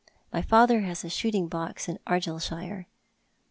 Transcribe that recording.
" My father has a shooting box in Argyllshire.